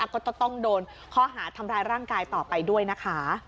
ก็จะต้องโดนข้อหาทำร้ายร่างกายต่อไปด้วยนะคะ